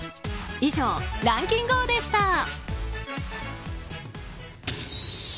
以上、ランキンＧＯ！でした。